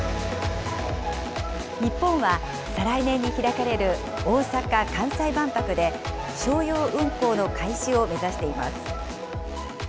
日本は再来年に開かれる大阪・関西万博で、商用運航の開始を目指しています。